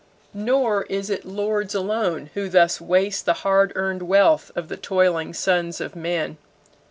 Nor is it lords alone who thus waste the hard earned wealth of the toiling sons of men.